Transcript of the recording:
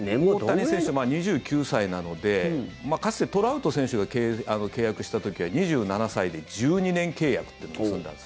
大谷選手、２９歳なのでかつてトラウト選手が契約した時は２７歳で１２年契約というのを結んだんです。